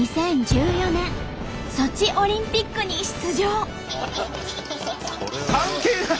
２０１４年ソチオリンピックに出場。